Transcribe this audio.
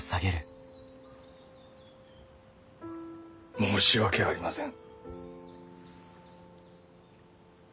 申し訳ありません。